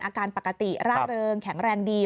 อาการปกติร่าเริงแข็งแรงดี